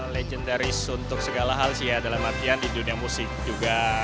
legendaris untuk segala hal sih ya dalam artian di dunia musik juga